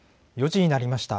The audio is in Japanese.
４時になりました。